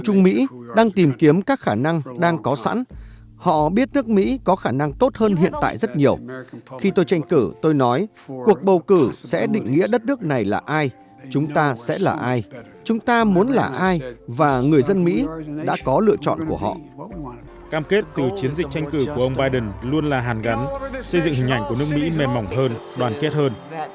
cam kết từ chiến dịch tranh cử của ông biden luôn là hàn gắn xây dựng hình ảnh của nước mỹ mềm mỏng hơn đoàn kết hơn